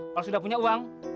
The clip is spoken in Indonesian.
kalau sudah punya uang